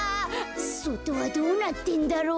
そとはどうなってんだろう。